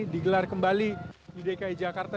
digelar kembali di dki jakarta